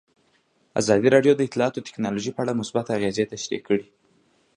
ازادي راډیو د اطلاعاتی تکنالوژي په اړه مثبت اغېزې تشریح کړي.